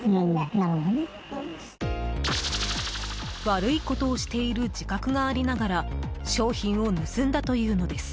悪いことをしている自覚がありながら商品を盗んだというのです。